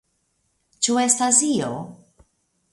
Ĉu estas io?